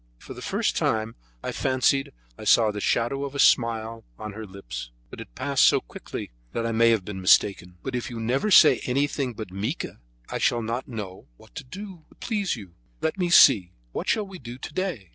For the first time I fancied that I saw the shadow of a smile on her lips, but it passed by so quickly that I may have been mistaken. "But if you never say anything but Mica, I shall not know what to do to please you. Let me see; what shall we do to day?"